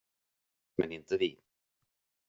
Men inte vi.